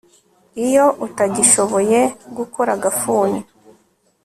iyo utagishoboye gukora agafuni